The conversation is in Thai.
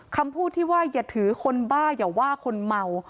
คำพูดที่ว่าอย่าถือคนบ้าอย่าว่าคนเมา